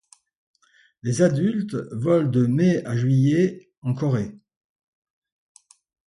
Les adultes volent de mai à juillet en Corée.